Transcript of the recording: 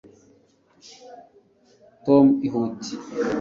tom, ihute